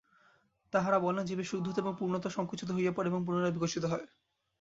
তাঁহারা বলেন, জীবের শুদ্ধতা এবং পূর্ণতা সঙ্কুচিত হইয়া পড়ে এবং পুনরায় বিকশিত হয়।